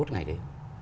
tám mươi một ngày đấy